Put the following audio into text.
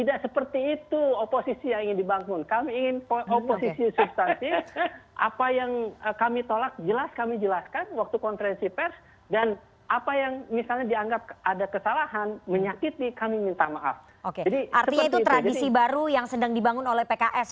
artinya itu tradisi baru yang sedang dibangun oleh pks